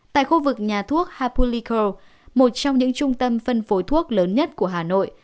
tại khu vực nhà thuốc hapulico một trong những trung tâm phân phối thuốc lớn nhất của hà nội